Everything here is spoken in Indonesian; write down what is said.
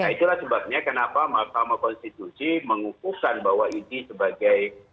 itulah sebabnya kenapa mahkamah konstitusi mengukuhkan bahwa idi sebagai